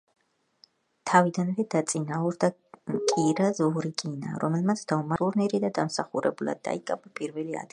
თავიდანვე დაწინაურდა კირა ზვორიკინა, რომელმაც დაუმარცხებლად განვლო მთელი ტურნირი და დამსახურებულად დაიკავა პირველი ადგილი.